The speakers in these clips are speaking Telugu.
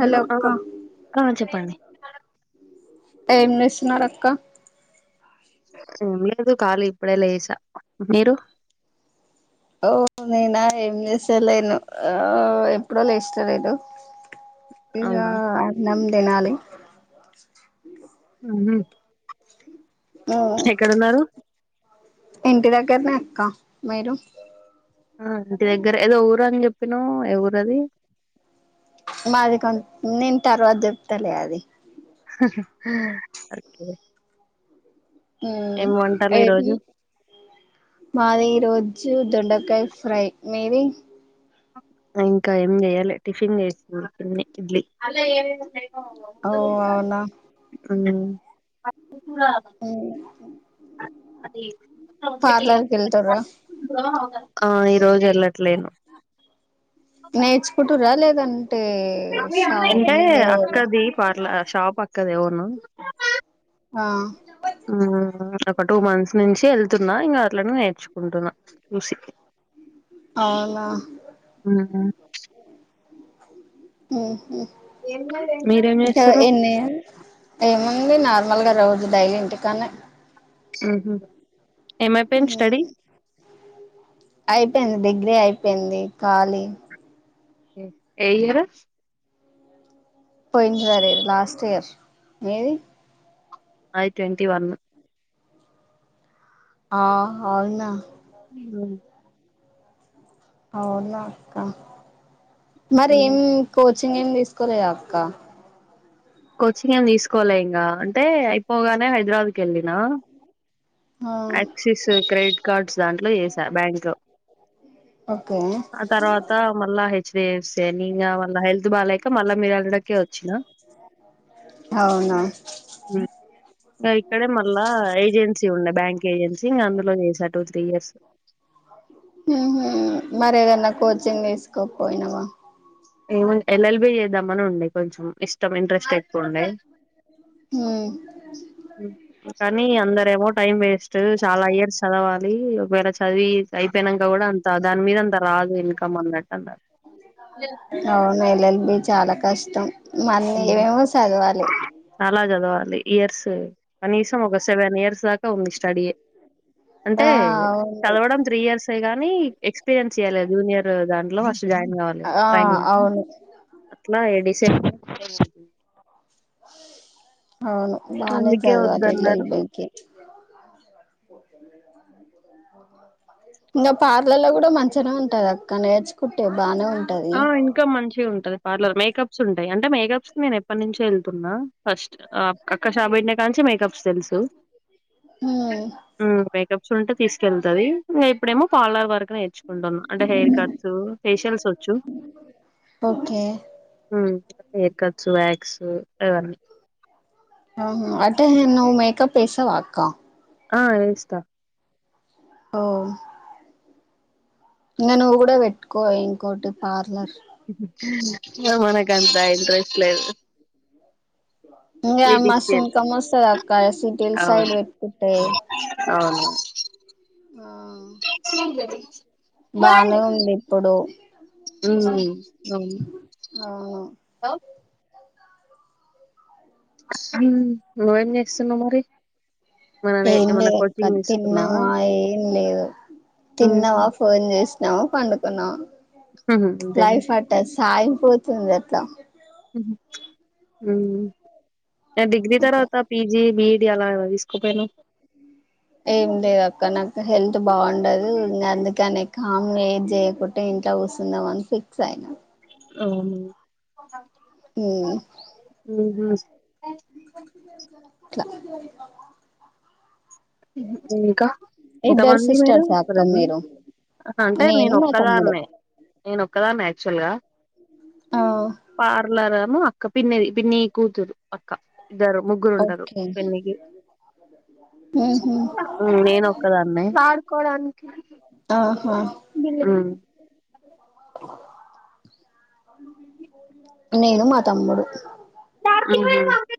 హలో ఆ ఆ చెప్పండి ఏం చేస్తున్నారు అక్క ఏమీ లేదు కాళీ ఇప్పుడే లేసా మీరు ఓ నేనా ఏం చేసాలను ఓ ఎప్పుడో లేచిన నేను ఇంగా అవునా అన్నం తినాలి ఊహు ఊ ఇంటి దగ్గరనే కా మీరు ఆ ఇంటి దగ్గరే ఏదో ఊరు అని జెప్పినావు ఏ ఊరు అది మాది తర్వాత చెప్తాలే అది హహ ఉర్కే ఆ ఈ ఏది రోజు మాది ఈ రోజు దొండకాయ ఫ్రై మీది ఇంకా ఏం జేయలే టిఫన్ చేసిన [inaudible] ఇడ్లీ ఓ అవునా అవును [inaudible] అది పార్లర్ కి వెళ్తుర్రా [inaudible] ఆ ఈ రోజు వెళ్ళట్లేను నేర్చుకుంటురా లేదంటే షావని లే షా పక్కదే వును ఆ ఆ ఆ ఒక టు మంత్స్ నుంచి యెళ్తున్నా ఇంగ అట్లనే నేర్చుకుంటున్నా చూసి అవునా హ్మ్. ఊహు మీరేం జేసురు [inaudible] నార్మల్గా రోజు డైలీ ఇంటికానే ఊహు ఏమైపోయింది స్టడీ అయిపోయింది డిగ్రీ అయిపోయింది ఖాళీ ఏ ఏ ఇయరు పోయినసారి లాస్ట్ ఇయర్ నాది ట్వంటీ వన్ ఆహ్ అవునా ఊ అవునా అక్క మరి ఏం కో చింగ్ ఏం తీస్కోలేదా అక్క కోచింగ్ ఏం తీసుకోలే ఇంగా అంటే అయిపోగానే హైదరాబాద్ కెళ్ళిన ఆ ఆక్సిస్ క్రెడిట్ కార్డ్స్ దాంట్లో చేసా బ్యాంక్ ఓకే ఆ తర్వాత మళ్ళా హె చైర్స్ తే న్ ఇంగా మళ్ళ హెల్త్ బాలేక మళ్ళా మీ దాంట్లకే ఒచ్చిన అవునా ఉమ్ ఇక్కడే మళ్ళా ఏజెన్సీ ఉండే కేజెన్సింగ్ అందులో చేసా టూ త్రీ ఇయర్స్ ఉహు మరి ఏదన్నా కోచింగ్ తీసుకోపోయినవా ఏముంది ఎల్ ఎల్ బి చేద్దామని ఉండే కొంచెం ఇష్టం ఇంట్రెస్ట్ ఎక్కువుండే ఉమ్ ఉమ్ కానీ అందరేమో టైం వేస్ట్ చాలా ఇయర్స్ చదవాలి లీ ఒకవేల చ చదివి అయిపోయినంక కూడా అంత దాని మీద అంత రాదు ఇన్కమ్ అన్నట్టు అన్నరు అవును ఎల్ ఎల్ బి చాలా కష్టం మళ్లీ ఉమ్, ఏవేవో సదవాలి అదే ఇయర్స్ కనీసం ఒక సెవెన్ ఇయర్స్ దాకా ఉంది స్టడీయే అంటే ఆ అవును చదవడం త్రీ ఇయర్సే గానీ ఎక్స్పీరియన్స్ చేయలేదు, జూనియర్ దాంట్లో ఫస్ట్ జాయిన్ కావాలి ఆ ట్రైనింగ్ కి అవును అట్లా ఏ డిసెంబర్ మళ్లా పోతుంది. అవును బానే అందుకే జదవాలీ ఎల్ ఎల్ వద్దన్నారు బీ కి ఇంగ పార్లర్లో కూడా మంచిగనే ఉంటది అక్క నేర్చుకుంటే బానే ఉం ఆ ఇన్కమ్ మంచిగుం ఉంటది పార్లర్ మేకప్స్ ఉంటయి, అంటే మేకప్స్ నేను ఎప్పటి నుంచో వెళ్తున్నా ఫస్ట్ అక్క షాప్ పెట్టినకానున్చి మేకప్స్ తెలుసు హూ స్టెప్స్ ఉంటే తీసుకెళ్తది ఇంగ ఇప్పుడేమో పార్లర్ వరకు నేర్చు కుంటుంది అంటే హెయిర్ కట్స్ ఫేషియల్స్ వచ్ ఓకే ఉమ్ హెయిర్ కట్స్ వ్యక్స్ అవన్నీ ఆ అటే ను మేకప్ వేస్తావా అక్క ఆ వేస్తా ఓ ఇంగ నువ్వు కూడా పెట్టుకో ఇంకోటి పార్లర్ హ హ ఇగ మనకంతా ఇంట్రెస్ట్ లేదు ఇంగ మస్తు బ్యూటీషియన్ ఇన్కకమ్ వస్తది అక్క సిటీల సైడ్ అవును. పెట్టుకుంటే అవును ఊమ్ బానే ఉంది ఇప్పుడు హ్మ్. అవును. అ నువ్వే జేస్తున్నవ్ మరి ఏమన్నా ఏం ఏమన్నా లేదు అక్క కోచింగ్ తిన్న తీసుకున్నావా? మాయ లేదు హ్మ్. తిన్నావ ఫోన్ చేసి నవ్ పండుకున్నావా హుహు. అంతేనా? లైఫ్ ఆర్టస్ సాగిపోతుంది అట్లా హ్మ్ డిగ్రీ తర్వాత పిజీ బిడ్ ది ఆలా తీసుకో పోయినవ్ ఏం లేదు అక్క నాకు హెల్త్ బాగుండదు ఇంగ అందుకని కామ్ ఏజ చేయకుంటే ఇంట్లో కుసుందామ అని ఫిక్స్ అయిన అవును హ్మ్ హుహు. అట్లా ఇంకా ఇద్దరు ఇంతమంది మీరు సిస్టర్స్ ఆ అక్క మీరు అంటే నేను మా తమ్ముడు ఒక్కదాన్నే నేను ఒక్కదాన్ని ల్గా ఆ పార్లరరెమో ఇక పిన్నిధి పిన్ని కూతురు అక్కా ఇద్దారు ముగ్గురు ఉంటరు ఓకే పిన్నికి ఉహు నేనోక్కదాన్నే వాడుకోడానికి ఆహా హ్మ్ నేను మా తమ్ముడు హ్మ్ హు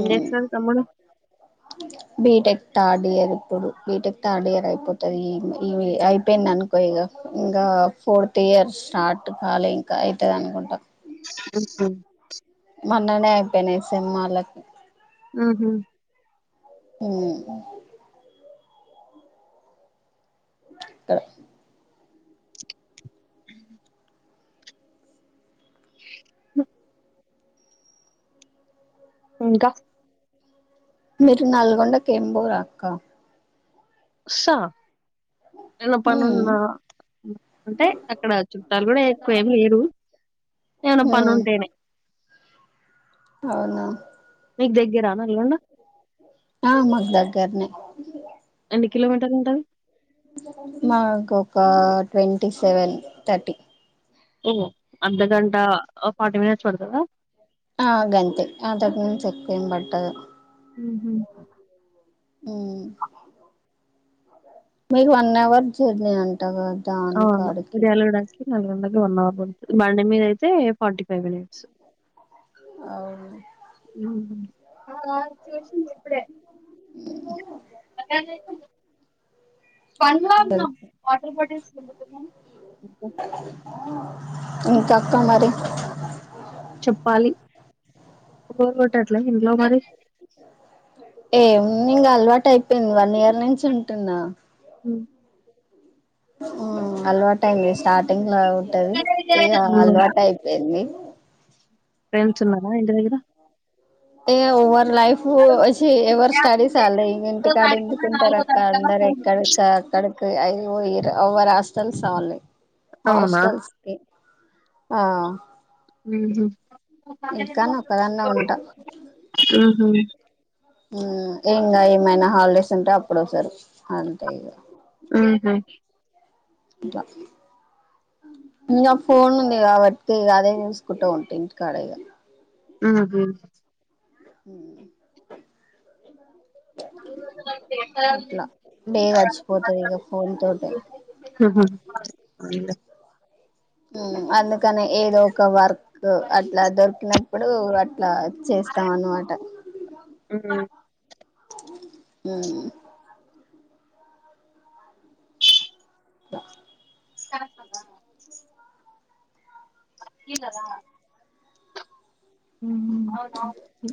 ఉమ్ తమ్ముడు బీటెక్ థర్డ్ ఇయర్ ఇప్పుడు బీటెక్ థర్డ్ ఇయర్ అయిపోతుంది ఇ ఇ అయిపోయింది అనుకో ఇక ఇంకా ఫోర్త్ ఇయర్ స్టార్ట్ కాలే ఇంకా ఐతది అనుకుంట ఆహ మొన్ననే అయిపోయినాయి సిన్మాలకి మ్మ్ హు మ్మ్ క్కడ అ అ ఇంకా మీరు నల్గొండ కేం బోరా అక్క స నన్న ఉమ్ పనున్న అంటే అక్కడ చుట్టాలు కూడా ఎక్కువ ఏమి లేరు ఎమన ఉమ్ పనుంటేనే అవునా మీక్ దెగ్గిర నల్గొండ ఆ మాకు దగ్గర్నే ఎన్ని కిలోమీటర్లు ఉంటది మాకొక ట్వంటీ సెవెన్ థర్టీ ఓహో అర్ధగంట ఓ ఫార్టీ మినిట్స్ పడతదా ఆ గంతే అంతకుమించి ఎక్కువ ఏం పట్టదు మ్మ్ హు మ్మ్ మీరు వన్ అవర్ జర్నీ అంటగా ఆ అది ఎలగడానికి నాలుగు వందలకి వన్ అవర్ పడుద్ది బండి మీద అయితే ఫార్టీ ఫైవ్ మినిట్స్ అవును అకార్ చూసిందిప్పుడే [inaudible] [unintelligible] పన్ల అన్నం తెలుసు వాటర్ బాటిల్స్ [inaudible] ఇంకక్క మరి చెప్పాలి బోర్ గొట్టట్లే ఇంట్లో మరి అట్ అయిపోయింది వన్ ఇయర్ నుంచి ఉంటున్న మ్మ్ మ్మ్ అలవాటయింది స్టార్టింగ్ లా ఉంటది ఇగ హ్మ్. అలవాటయిపోయింది. ఫ్రెండ్స్ ఉన్నారా ఇంటి దగ్గర ఏ ఓవర్లైఫ్ ఓ సి ఎవరి స్టడీస్ ఆళ్ళయి ఇంగింటికాడెందుకుంటరక్క అందరెక్కడెక్క అక్కడ కి ఐ ఓ యిర్ అవ్వ రాస్తల్ [unintelligible] అవునా హాస్టల్స్కి ఆహ్ ఉహు ఇంటికాన్నే ఒక్క దాన్నే ఉంటా ఉహు మ్ ఇంగా ఏమైనా హాలిడేస్ ఉంటే అప్పుడు వసారు అంతె ఈగ ఉహు ఇగ ఇంగ ఫోన్ ఉంది కాబట్టి ఈగ అదే చూసుకుంట ఉంటా ఇంటికాడ ఇగ ఊహు మ్ అట్లా డే గడిచిపోతుంది ఇక ఫోన్ తోటే [inaudible] మ్ అందుకనే ఏదో ఒక వర్క్ లో అట్లా దొరికిన ఇప్పుడు ఈ ఇట్లా చేస్తాం అన్నమాట ఉహు ఉమ్మ్ [inaudible] ఇ దనా మ్ అవునవును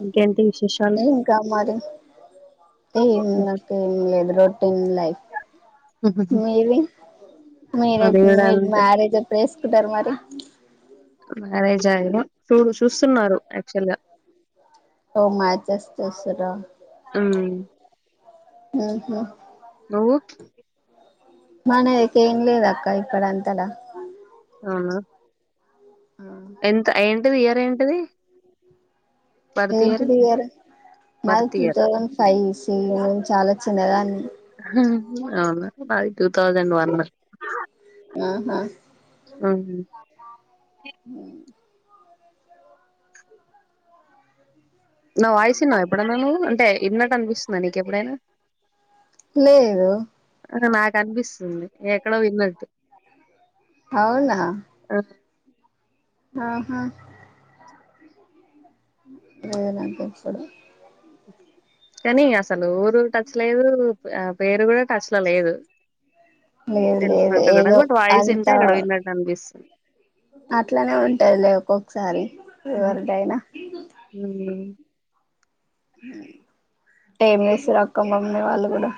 ఇంకేంటి విశేషాలు ఏ ముంది అక్క ఎం లేదు మీవి అది మీరెప్పుడు కూడా మీ అంతే మ్యారేజ్ ప్లేస్ ధారు మరి మ్యారేజ్ ఆయన చూడు చూస్తున్నారు యాక్చువల్ గా ఓ మ్యాచస్ చూస్తరా ఉమ్ ఉహు నువ్వు మనదైతే ఏం లేదు అక్క ఇక్కడంతలా అవునా ఎంత ఏంటిది ఇయర్ ఏంటిది ఏంటి నీ ఇయర్ నాది birth two year thousand five చాలా చిన్నదాన్ని అవునా మాది టూ తౌసండ్ వన్ ఆహా ఊహు మ్ నా వాయిస్న్నావు ఎప్పుడన్నా అంటే ఈన్నట్టు అనిపిస్తుంది ననకి ఎపుడైనా లేదు అహ నాకు అనిపిస్తుంది ఎక్కడో విన్నట్టు అవునా ఆహా లేదనిపించలే కానీ అసలు ఊరు టచ్ లేదు ఆ పేరు కూడా టచ్ లో లేదు లేదు లేదు తెలిసినట్టు కదా ఏదో బట్ వాయిస్ అంత వింటే ఎక్కడో విన్నట్టు అనిపిస్తుంది అట్లనే ఉంటదిలే ఒక్కొక్కసారి ఎవరిదయినా ఏం చేస్తురక్క మమ్మి వాళ్ళు కూడా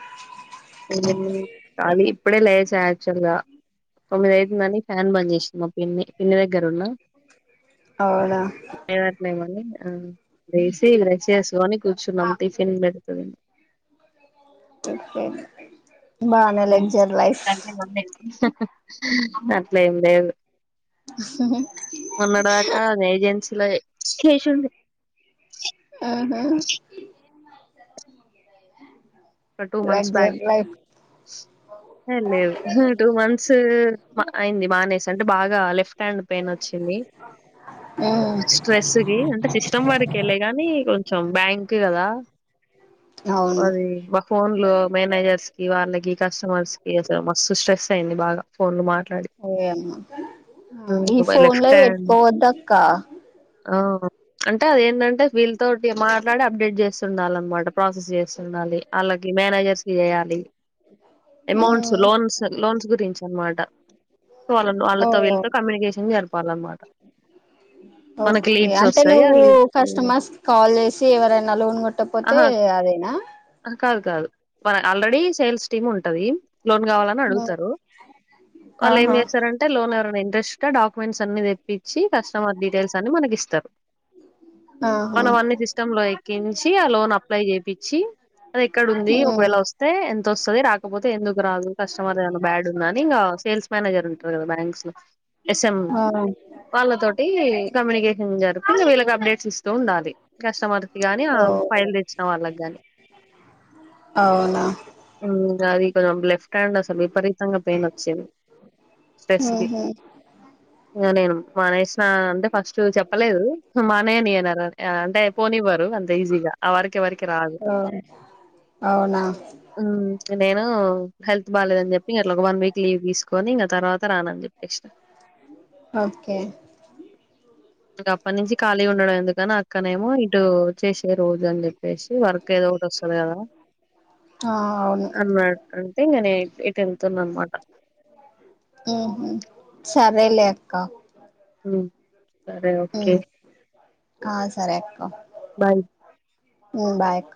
హుమ్మ్ ఖాళీ ఇప్పుడే లేచా యాక్చువల్ గా తొమ్మిది అయితుందని ఫ్యాన్ బంజేసింది మా పిన్ని పిన్ని దగ్గరున్న అవునా [unintelligible] ఆ లేసి బ్రష్ చెస్కొని కూర్చున్నాం టిఫిన్ పెడుతుందని చెప్పే హుమ్ తంతే గౌనేసుకుంది అట్లెం లేదు మొన్నడదాక నైజెన్సులయె చేశుండే ఆహా ఒక two months back luxury life లేదు లేదు టూ మంత్స్ అయింది మానేసి అంటే బాగా లెఫ్ట్ హ్యాండ్ పెయిన్ వచ్చింది ఉమ్ స్ట్రెస్ కి అంటే సిస్టమ్ వర్కేలె కానీ కొంచెం బ్యాంక్ కదా అవును అది బహ్ లో మేనేజర్స్ ఇవాళ్ళకి కస్టమర్స్ కి అసలు మస్తు స్ట్రెస్ అయింది బాగా ఫోన్లు మాట్లాడి ఏమో ఈ ఊ మై ఫోన్ లో లెఫ్ట్ హ్యాండ్ పెట్టుకోవద్దక్క ఆ అంటే అదేందంటే వీళ్ళతోటి మాట్టాడి అప్డేట్ చేస్తుండాలి అన్నమాట ప్రాసెస్ చేస్తుండాలి అళ్ళకి మేనేజర్స్ కి చేయాలి ఎమౌంట్స్ ఉమ్ లోన్స్ లోన్స్ గురించి అనమాట వాళ్ళనో ఓ వాళ్ళతో వీళ్ళతో కమ్యూనికేషన్ జరపాలన్నమాట మనకి ఓకే లీడ్స్ అంటే వస్తాయి ఆ నువ్వు లీడ్స్ నా లోన్ కట్ ట్టపోతే అదేనా వాల్ది ఆల్రెడీ సేల్స్ టీమ్ ఉంటది లోన్ కావాలని అడుగుతారు ఆహా మనం ఇంట్రెస్ట్గా డాక్యూమెంట్స్ అన్ని తెప్పి చ్చి కస్టమర్ డీటెల్స్ అని మనకి ఇస్తారు ఆహా మనం అన్ని సిస్టమ్ లో ఎక్కిం ఛ్చి ఆ లోన్ అప్లై చేపించి అది ఎక్కడుంది ఉమ్ ఒకవేళ వస్తే ఎంత వస్తాది రాకపోతే ఎందుకు రాదు కస్టమర్ ఏదైనా బ్యాడ్ ఉందని ఇంకా సేల్స్ మేనేజర్ ఉంటారు కదా బ్యాంక్స్ లో ఎస్ఎం ఆ వాళ్ళతోటీ కమ్యూనికేషన్ జరూప్ కింద వీళ్ళకి అప్డేట్స్ ఇస్తూ ఉండాలి కస్టమర్స్ కి గాని ఓ ఆల్ ఫైల్ తెచ్చిన వాళ్ళకి గాని అవునా హు అది లెఫ్ట్. స్ట్రాండ్ అసలు విపరీతంగా పెయిన్ వచ్చేవి స్ట్రెస్కి ఉహు ఇవి నేను మనేషన అంటే ఫస్ట్. ఉమ్ చెప్పలేదు మానేయని అన అంటే పోనివ్వారు అంత ఈజీగా ఆవరకి ఏవరకి రాదు ఓ అవునా ఉమ్ నేను హెల్త్ బాలేదని చెప్పి అట్ ఒక వన్ వీక్ లీవ్ తీసుకొని తర్వాత రానంది ఓకే అప్పటి నుంచి ఖాళీ ఉండడం ఎందుకు కాగాని అక్కనేమో ఇటు చేసేది. రోజు అని చెప్పేసి వర్క్ ఏదో ఒకటి వస్తుంది కదా ఆ అవును అన్న అంటే ఇంకానే ఇటు వెతున్నా అనమాట రెళ్లే అక్క ఉమ్ సరే ఓకే ఉమ్ ఆ సరే అక్క బాయ్ ఉమ్ బాయక్క